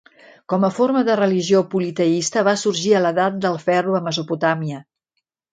Com a forma de religió politeista va sorgir a l'edat del ferro a Mesopotàmia.